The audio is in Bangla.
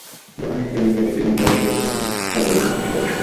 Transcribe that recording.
যখন একজন ইংরেজ একটি জিনিষ ধরে, সে তখন তার গভীরতম দেশে প্রবেশ করে।